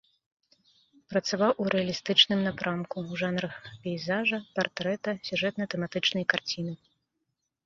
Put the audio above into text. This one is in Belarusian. Працаваў у рэалістычным напрамку, у жанрах пейзажа, партрэта, сюжэтна-тэматычнай карціны.